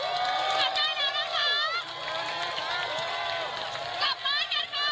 กลิ่นเกียจแบบว่ายังไง